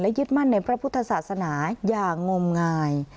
ยึดมั่นในพระพุทธศาสนาอย่างงมงาย